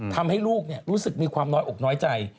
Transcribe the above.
ทำให้ลูกรู้สึกมีความน้อยอกน้อยใจ